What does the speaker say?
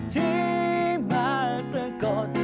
ที่มาสะกด